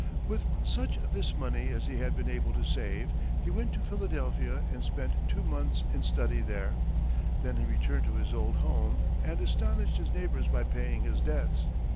With such of this money as he had been able to save, he went to Philadelphia and spent two months in study there; then he returned to his old home, and astonished his neighbors by paying his debts.